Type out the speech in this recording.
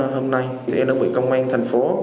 hôm nay thì em đã bị công an thành phố